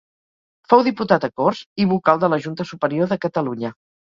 Fou diputat a Corts i vocal de la Junta Superior de Catalunya.